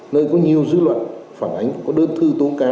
nơi có nhiều dư luận phản ánh có đơn thư